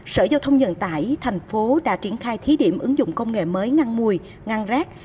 sở giao thông nhận tải thành phố đã triển khai thí điểm ứng dụng công nghệ mới ngăn mùi ngăn rác